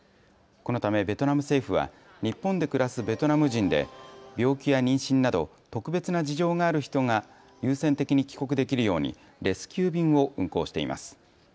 このためベトナム政府は日本で暮らすベトナム人で病気や妊娠など、特別な事情がある人が優先的に帰国できるようにレスキュー便を運航しています。